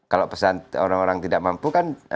kalau orang orang tidak mampu